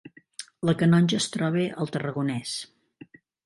La Canonja es troba al Tarragonès